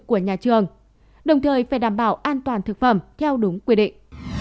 của nhà trường đồng thời phải đảm bảo an toàn thực phẩm theo đúng quy định